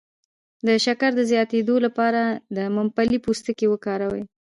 د شکر د زیاتیدو لپاره د ممپلی پوستکی وکاروئ